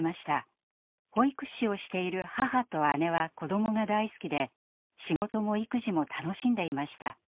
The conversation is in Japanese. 保育士をしている母と姉は子どもが大好きで仕事も育児も楽しんでいました。